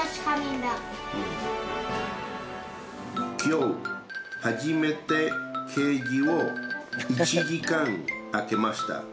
きょう、初めてケージを１時間開けました。